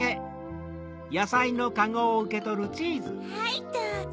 はいどうぞ。